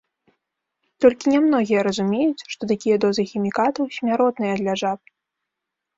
Толькі нямногія разумеюць, што такія дозы хімікатаў смяротныя для жаб.